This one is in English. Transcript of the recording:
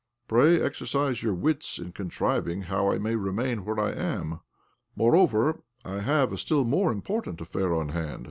Pray exercise your wits in contriving how I may remain where I am. Moreover, I have a still more important affair on hand.